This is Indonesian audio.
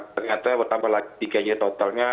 ternyata bertambah lagi tiga nya totalnya